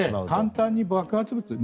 簡単に爆発物を。